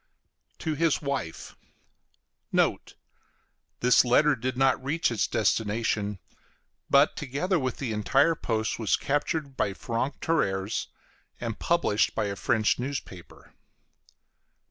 B. TO HIS WIFE Note. This letter did not reach its destination, but, together with the entire post, was captured by franc tireurs and published by a French newspaper.